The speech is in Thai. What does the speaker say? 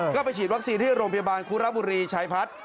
ก็ไปฉีดวัคซีนที่โรงพยาบาลคุระบุรีชายพัฒน์